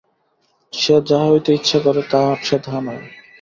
সে যাহা হইতে ইচ্ছা করে, সে তাহা নয়।